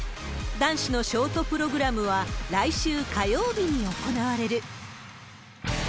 男子のショートプログラムは来週火曜日に行われる。